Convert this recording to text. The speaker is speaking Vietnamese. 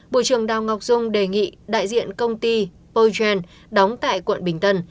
bộ trưởng đào ngọc dung đề nghị đại diện công ty poi gen đóng tại quận bình tân